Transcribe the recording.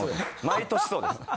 毎年そうです。